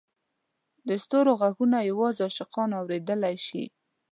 د ستورو ږغونه یوازې عاشقان اورېدلای شي.